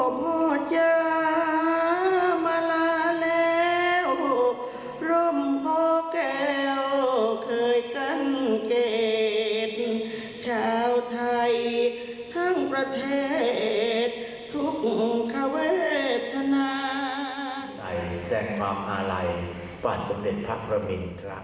พระบาทสมเด็จพระปรมินทรมาภูมิพลอดุญเดชน์ค่ะ